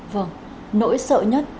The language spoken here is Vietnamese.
vâng nỗi sợ nhất